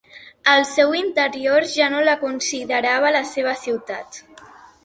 Al seu interior, ja no la considerava la seva ciutat.